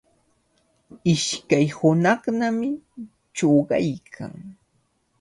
Ishkay hunaqnami chuqaykan.